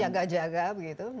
untuk jaga jaga begitu